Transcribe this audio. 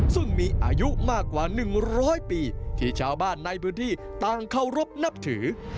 ซึ่งมีอายุมากกว่า๑๐๐ปีที่ชาวบ้านในพื้นที่ต่างเคารพนับถือ